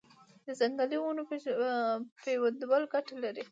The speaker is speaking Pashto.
د ځنګلي ونو پیوندول ګټه لري؟